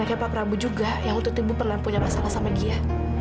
anaknya pak prabu juga yang waktu itu ibu pernah punya masalah sama dia